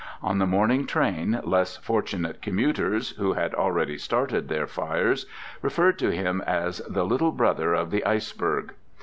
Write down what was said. On the morning train less fortunate commuters, who had already started their fires, referred to him as "the little brother of the iceberg."